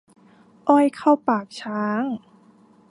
อ้อยเข้าปากช้าง